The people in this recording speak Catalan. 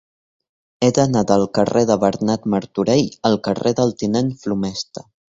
He d'anar del carrer de Bernat Martorell al carrer del Tinent Flomesta.